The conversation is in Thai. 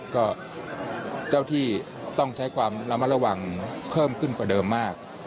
ก็เจ้าที่ต้องใช้ความระมัดระวังเพิ่มขึ้นกว่าเดิมมาก